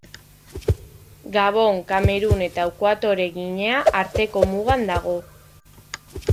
Gabon, Kamerun eta Ekuatore Ginea arteko mugan dago.